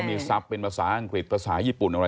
มีทรัพย์เป็นภาษาอังกฤษภาษาญี่ปุ่นอะไร